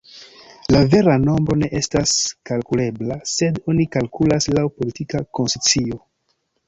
La vera nombro ne estas kalkulebla, sed oni kalkulas laŭ politika konscio.